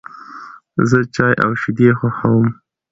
زه چای او شیدې خوښوم.